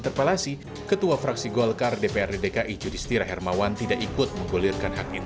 terkait penataan tanah abang ini memang kan selalu disampaikan oleh pak anis